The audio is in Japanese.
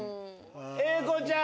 英孝ちゃん！